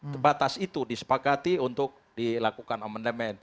sebatas itu disepakati untuk dilakukan amandemen